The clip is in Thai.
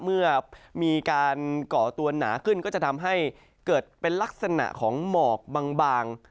เมื่อมีการก่อตัวหนาขึ้นก็จะทำให้เกิดเป็นลักษณะของหมอกบาง